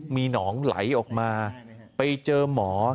มีหนองไหลออกมาไปเจอหมอ